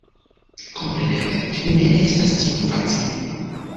Kompreneble, ne estas tiom facile.